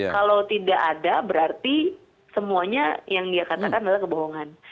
kalau tidak ada berarti semuanya yang dikatakan adalah kebohongan